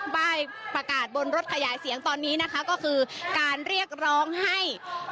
ป้ายประกาศบนรถขยายเสียงตอนนี้นะคะก็คือการเรียกร้องให้